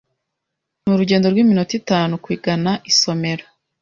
Ni urugendo rw'iminota itanu kugana isomero.